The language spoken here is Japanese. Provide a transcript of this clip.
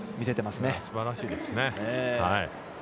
すばらしいですね。